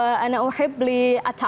saya suka berbicara